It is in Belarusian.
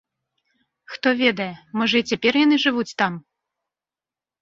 Хто ведае, можа, і цяпер яны жывуць там?